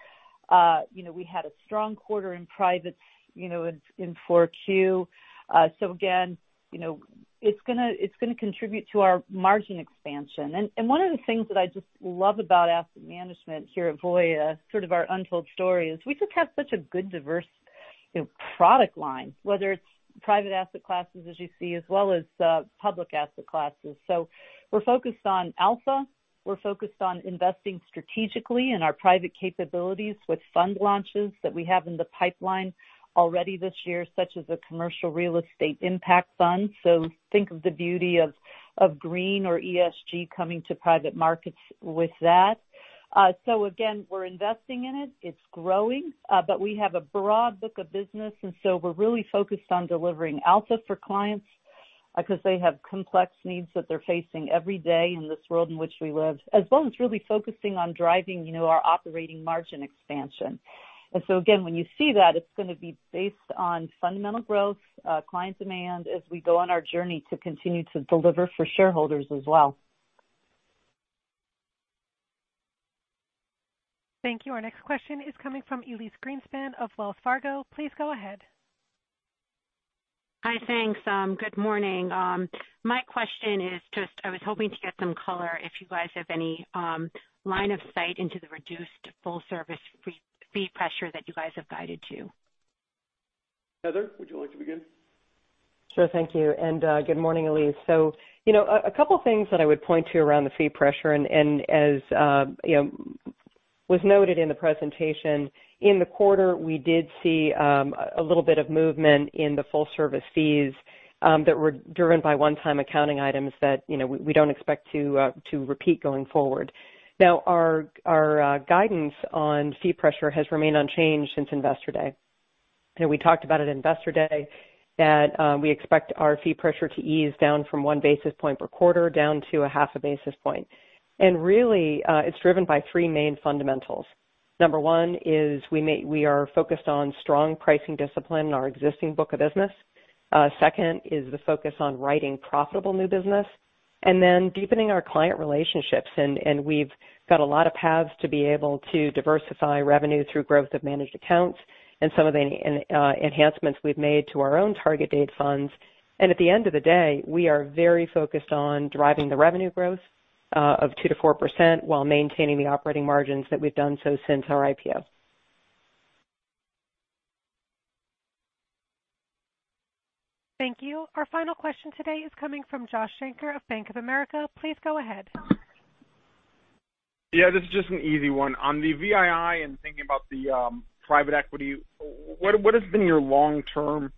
You know, we had a strong quarter in privates, you know, in 4Q. Again, you know, it's gonna contribute to our margin expansion. One of the things that I just love about asset management here at Voya, sort of our untold story, is we just have such a good diverse, you know, product line, whether it's private asset classes as you see, as well as, public asset classes. We're focused on alpha. We're focused on investing strategically in our private capabilities with fund launches that we have in the pipeline already this year, such as a commercial real estate impact fund. Think of the beauty of green or ESG coming to private markets with that. Again, we're investing in it's growing, but we have a broad book of business, and so we're really focused on delivering alpha for clients, 'cause they have complex needs that they're facing every day in this world in which we live, as well as really focusing on driving, you know, our operating margin expansion. Again, when you see that, it's gonna be based on fundamental growth, client demand as we go on our journey to continue to deliver for shareholders as well. Thank you. Our next question is coming from Elyse Greenspan of Wells Fargo. Please go ahead. Hi. Thanks. Good morning. My question is, I was hoping to get some color if you guys have any line of sight into the reduced full service fee pressure that you guys have guided to. Heather, would you like to begin? Sure. Thank you. Good morning, Elyse. So, you know, a couple things that I would point to around the fee pressure and as, you know, was noted in the presentation, in the quarter, we did see a little bit of movement in the full service fees that were driven by one time accounting items that, you know, we don't expect to repeat going forward. Now, our guidance on fee pressure has remained unchanged since Investor Day. You know, we talked about at Investor Day that we expect our fee pressure to ease down from 1 basis point per quarter down to 0.5 Basis point. Really, it's driven by three main fundamentals. Number one is we are focused on strong pricing discipline in our existing book of business. Second is the focus on writing profitable new business. Deepening our client relationships. We've got a lot of paths to be able to diversify revenue through growth of Managed Accounts and some of the enhancements we've made to our own Target Date Funds. At the end of the day, we are very focused on driving the revenue growth of 2%-4% while maintaining the operating margins that we've done so since our IPO. Thank you. Our final question today is coming from Joshua Shanker of Bank of America. Please go ahead. Yeah, this is just an easy one. On the VII and thinking about the private equity, what has been your long-term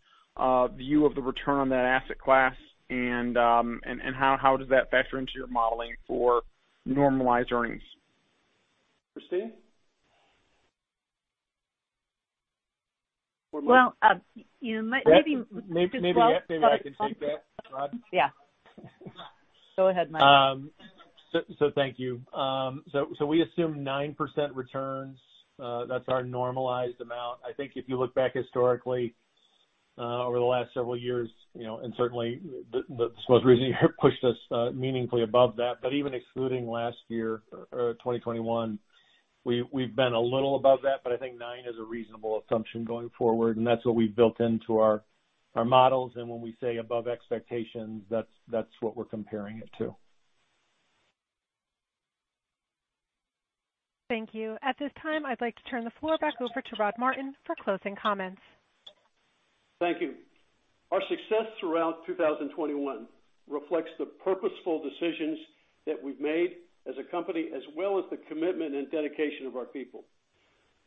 view of the return on that asset class and how does that factor into your modeling for normalized earnings? Christine? Well, you know, maybe- Maybe I can take that, Rod. Yeah. Go ahead, Mike. Thank you. We assume 9% returns. That's our normalized amount. I think if you look back historically over the last several years, you know, and certainly this most recent year pushed us meaningfully above that, but even excluding last year or 2021, we've been a little above that, but I think nine is a reasonable assumption going forward, and that's what we've built into our models. When we say above expectations, that's what we're comparing it to. Thank you. At this time, I'd like to turn the floor back over to Rod Martin for closing comments. Thank you. Our success throughout 2021 reflects the purposeful decisions that we've made as a company as well as the commitment and dedication of our people.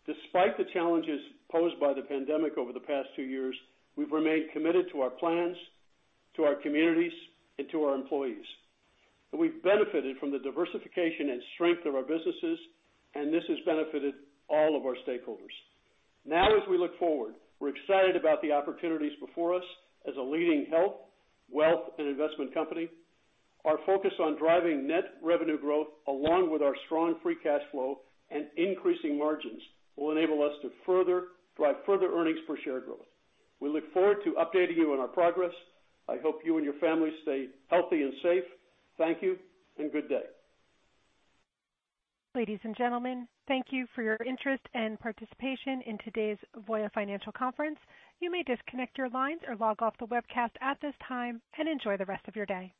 Despite the challenges posed by the pandemic over the past two years, we've remained committed to our plans, to our communities, and to our employees. We've benefited from the diversification and strength of our businesses, and this has benefited all of our stakeholders. Now, as we look forward, we're excited about the opportunities before us as a leading health, wealth, and investment company. Our focus on driving net revenue growth, along with our strong free cash flow and increasing margins, will enable us to further drive further earnings per share growth. We look forward to updating you on our progress. I hope you and your family stay healthy and safe. Thank you, and good day. Ladies and gentlemen, thank you for your interest and participation in today's Voya Financial Conference. You may disconnect your lines or log off the webcast at this time, and enjoy the rest of your day.